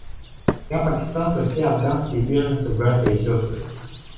Для пакистанцев все афганские беженцы — братья и сестры.